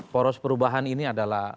poros perubahan ini adalah